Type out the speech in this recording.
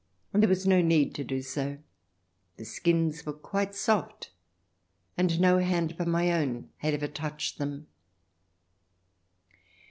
And there was no need to do so. The skins were quite soft, and no hand but my own had ever touched them.